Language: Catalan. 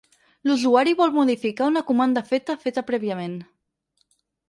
L'usuari vol modificar una comanda feta feta prèviament.